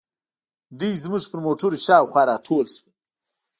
دوی زموږ پر موټرو شاوخوا راټول شول.